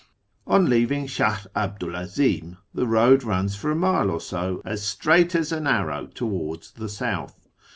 ^ On leaving Shah 'Abdu' l 'Azim the road runs for a mile 'r so as straicrht as an arrow towards the south.